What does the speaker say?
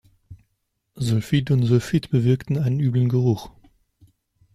Sulfid und Sulfit bewirkten einen üblen Geruch.